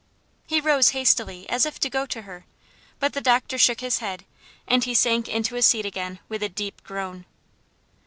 He rose hastily, as if to go to her, but the doctor shook his head, and he sank into his seat again with a deep groan.